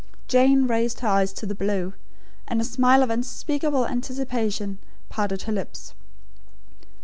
Jane raised her eyes to the blue; and a smile of unspeakable anticipation parted her lips.